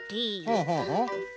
ほうほうほう。